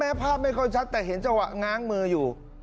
ภาพไม่ค่อยชัดแต่เห็นจังหวะง้างมืออยู่